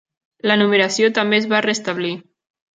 La numeració també es va restablir.